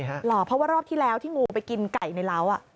เหรอเพราะว่ารอบที่แล้วที่งูไปกินไก่ในเล้า